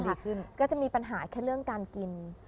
ดีขึ้นก็จะมีปัญหาแค่เรื่องการกิน